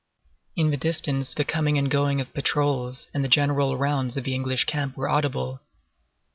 In the distance the coming and going of patrols and the general rounds of the English camp were audible.